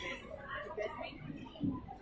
เวลาแรกพี่เห็นแวว